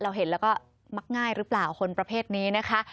เห็นแล้วก็มักง่ายหรือเปล่าคนประเภทนี้นะคะ